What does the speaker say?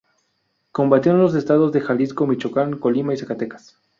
Combatió en los estados de Jalisco, Michoacán, Colima y Zacatecas.